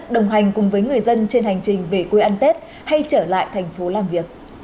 đồng hành cùng với người dân trên hành trình về quê ăn tết hay trở lại thành phố làm việc